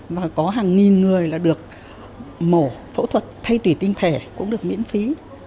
và có hàng nghìn người là được mổ phẫu thuật thay tủy tinh thẻ cũng được miễn phí